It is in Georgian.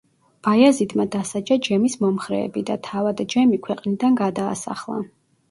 ბაიაზიდმა დასაჯა ჯემის მომხრეები და თავად ჯემი ქვეყნიდან გადაასახლა.